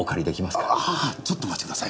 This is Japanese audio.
あぁちょっとお待ちください。